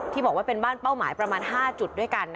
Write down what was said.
บอกว่าเป็นบ้านเป้าหมายประมาณ๕จุดด้วยกัน